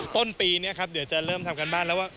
ต้นปีนี้ครับเดี๋ยวจะเริ่มทำการบ้านแล้วว่า